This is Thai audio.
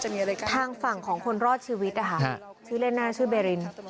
ทีนี้ทางฝั่งของคนรอดชีวิตชื่อเล่นน่าชื่อเบริน